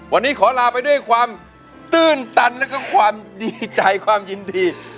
วันนี้ขอลาไปด้วยความตื้นตันแล้วก็ความดีใจความยินดี